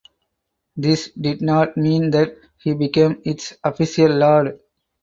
This did not mean that he became its official lord.